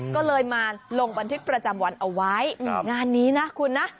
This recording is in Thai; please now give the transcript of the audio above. ก็เลยมาลงบันทึกประจำวันเอาไว้งานนี้นะคุณนะ